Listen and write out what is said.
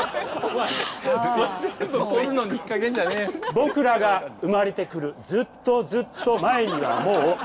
「僕らの生まれてくるずっとずっと前にはもう」